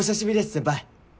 先輩。